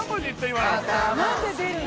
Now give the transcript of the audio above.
今の何で出るの？